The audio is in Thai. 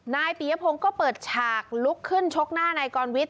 นายปียพงศ์ก็เปิดฉากลุกขึ้นชกหน้านายกรวิทย